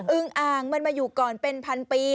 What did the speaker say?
อ่างมันมาอยู่ก่อนเป็นพันปี